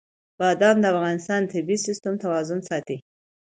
بادام د افغانستان د طبعي سیسټم توازن ساتي.